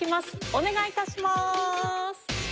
お願いいたします。